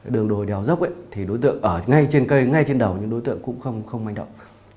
đường đồi đèo dốc thì đối tượng ở ngay trên cây ngay trên đầu nhưng đối tượng cũng không manh động